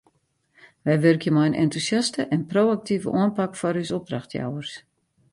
Wy wurkje mei in entûsjaste en pro-aktive oanpak foar ús opdrachtjouwers.